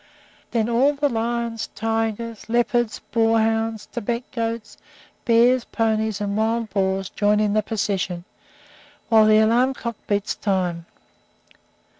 Then all the lions, tigers, leopards, boar hounds, Tibet goats, bears, ponies, and wild boars join in the procession, while the alarm clocks beat time.